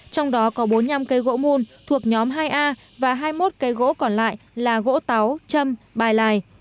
trong đó có bốn mươi năm cây gỗ mùn thuộc nhóm hai a và hai mươi một cây gỗ còn lại là gỗ táo châm bài lài